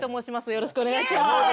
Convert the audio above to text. よろしくお願いします。